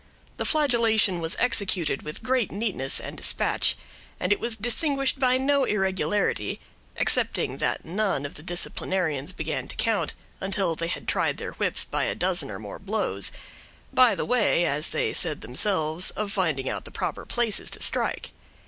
The flagellation was executed with great neatness and dispatch, and it was distinguished by no irregularity, excepting that none of the disciplinarians began to count until they had tried their whips by a dozen or more blows, by the way, as they said themselves, of finding out the proper places to strike.